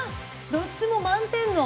どっちも満点の。